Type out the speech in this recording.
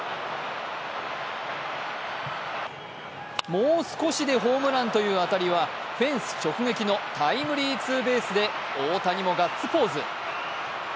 もう少しでホームランという当たりは、フェンス直撃のタイムリーツーベースで大谷もガッツポーズ。